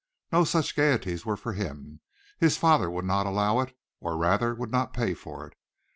No such gaieties were for him. His father would not allow it, or rather would not pay for it.